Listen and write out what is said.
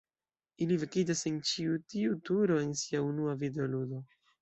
Ili vekiĝas en ĉi tiu turo en sia unua videoludo.